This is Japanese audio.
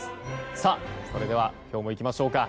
さあ、それでは今日もいきましょうか。